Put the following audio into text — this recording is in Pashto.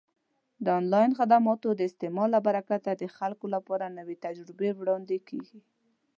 د آنلاین خدماتو د استعمال له برکته د خلکو لپاره نوې تجربې وړاندې کیږي.